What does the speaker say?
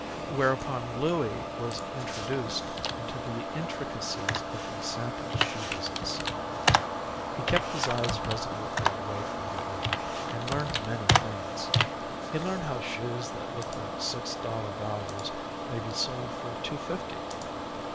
Whereupon Louie was introduced into the intricacies of the sample shoe business. He kept his eyes resolutely away from the V, and learned many things. He learned how shoes that look like six dollar values may be sold for two fifty.